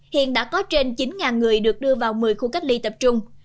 hiện đã có trên chín người được đưa vào một mươi khu cách ly tập trung